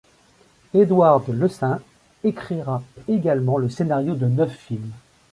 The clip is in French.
Edward Lesaint écrira également le scénario de neuf films.